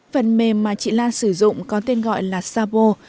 phần mềm mà chị lan sử dụng có tên gọi là sabo